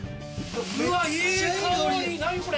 うわー、いい香り、何これ。